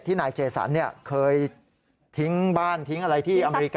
นายเจสันเคยทิ้งบ้านทิ้งอะไรที่อเมริกา